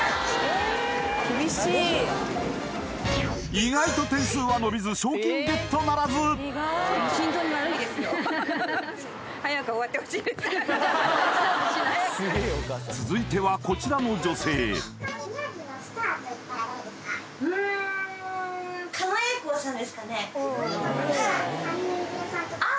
意外と点数は伸びず賞金ゲットならずじゃあもう続いてはこちらの女性うーんああ！